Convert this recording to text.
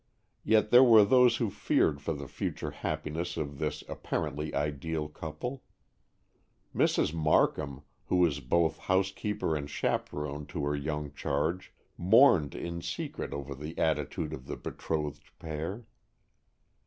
Yet there were those who feared for the future happiness of this apparently ideal couple. Mrs. Markham, who was both housekeeper and chaperon to her young charge, mourned in secret over the attitude of the betrothed pair.